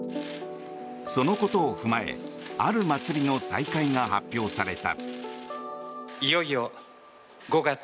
そのことを踏まえある祭りの再開が発表された。